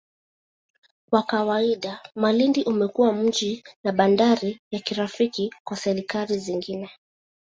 Kwa kawaida, Malindi umekuwa mji na bandari ya kirafiki kwa serikali zingine.